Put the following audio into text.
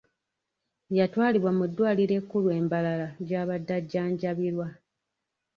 Yatwalibwa mu ddwaliro ekkulu e Mbarara gy’abadde ajjanjabirwa.